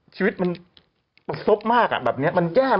ชีวิตมันประสบมากอะแบบเนี้ยมันแก้มากอะ